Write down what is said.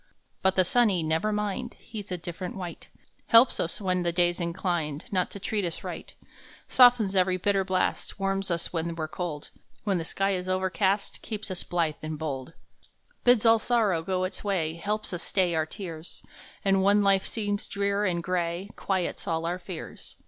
But the sunny " Never Mind," He s a different wight. Helps us when the day s inclined Not to treat us right; Softens every bitter blast, Warms us when we re cold; When the sky is overcast, Keeps us blithe and bold. [ 19] Bids all sorrow go its way. Helps us stay our tears, And when life seems drear and gray, Quiets all our fears.